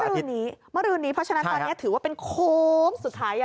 ตอนนี้ถือว่าเป็นโคมสุดท้าย